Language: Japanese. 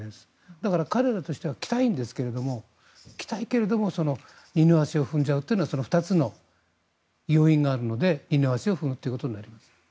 だから彼らとしては来たいんですが来たいけども二の足を踏んじゃうというのはその２つの要因があるので二の足を踏むということになります。